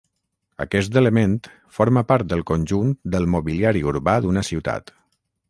Aquest element forma part del conjunt del mobiliari urbà d'una ciutat.